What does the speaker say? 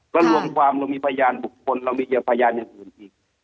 มีการรวมความเรามีพรรยาชน์บทบนเรามีพรรยาชน์ในส่วนอีก